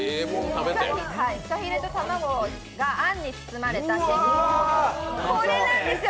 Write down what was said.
フカヒレと卵があんに包まれたシンプルな、これなんですよ！